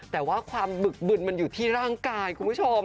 แต่ว่าความบึกบึนมันอยู่ที่ร่างกายคุณผู้ชม